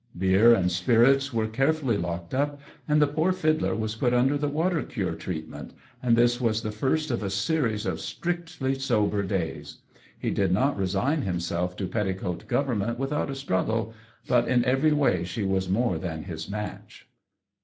Beer and spirits were carefully locked up, and the poor fiddler was put under the water cure treatment, and this was the first of a series of strictly sober days. He did not resign himself to petticoat government without a struggle, but in every way she was more than his match.